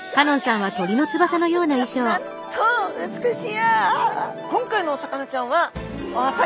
はい。